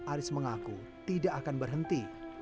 aris mengaku tidak akan berhenti